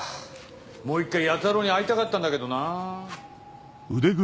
もう一回弥太郎に会いたかったんだけどなぁ。